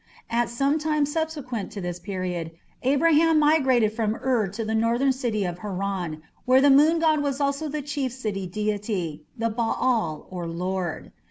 At some time subsequent to this period, Abraham migrated from Ur to the northern city of Harran, where the moon god was also the chief city deity the Baal, or "lord".